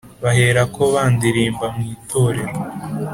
Baherako bandirimba mu itorero,